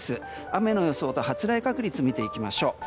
雨の予想と発雷確率を見ていきましょう。